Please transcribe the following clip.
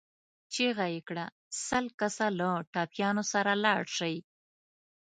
چيغه يې کړه! سل کسه له ټپيانو سره لاړ شئ.